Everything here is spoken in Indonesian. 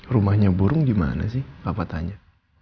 rumahnya burung gimana sih bapak tanya